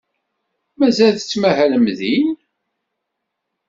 Mazal tettmahalem din?